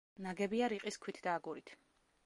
ნაგებია რიყის ქვით და აგურით.